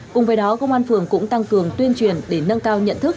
cùng với đó công an phường cũng tăng cường tuyên truyền để nâng cao nhận thức